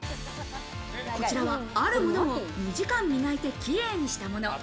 こちらは、あるものを２時間磨いて綺麗にしたもの。